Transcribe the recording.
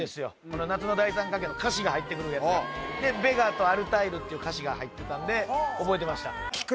この夏の大三角の歌詞が入ってくるやつがでベガとアルタイルっていう歌詞が入ってたんで覚えてました